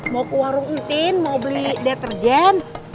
mau ke warung rutin mau beli deterjen